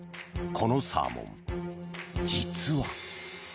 このサーモン実は。